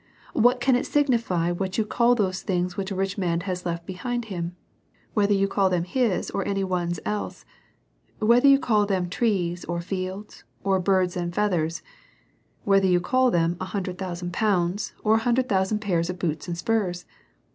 What can it signify what you call those things which a man has left behind him? whether you call them his or any one's else^ whether you call them trees or fields, or birds or feathers ; whether you call them an hundred thousand pounds or an hundred thousand pairs of boots and spurs?